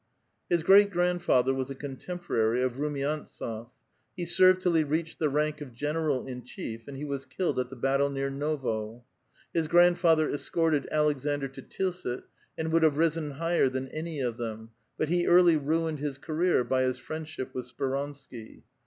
His great grandfather was a contemporary of Rumiantsof; lie served till he reached the rank of general in chief, and he ^was killed at the battle near Novo. His grandfather es corted Alexander to Tilsit, and would have risen higher than any of them, but he early ruined his career bv his friendship ^ith Speransky.